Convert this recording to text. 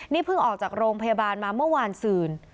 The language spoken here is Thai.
นี่เพิ่งออกจากโรงพยาบาลมาเมื่อวานศื่น